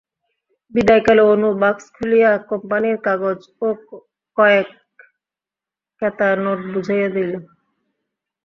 বিদায়কালে অনু বাক্স খুলিয়া কোম্পানীর কাগজ ও কয়েক কেতা নোট বুঝাইয়া দিল।